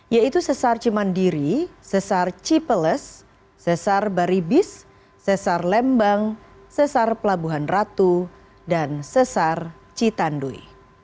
yaitu sesar cimandiri sesar cipeles sesar baribis sesar lembang sesar pelabuhan ratu dan sesar citandui